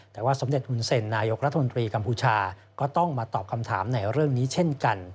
แต่ว่าสมเด็จหุ่นเซ็นนายกรัฐมนตรีกัมพูชาก็ต้องมาตอบคำถามในเรื่องนี้เช่นกัน